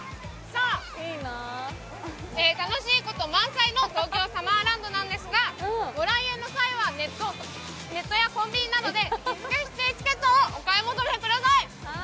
楽しいこと満載の東京サマーランドなんですがご来園の際はネットやコンビニなどでチケットをお買い求めください。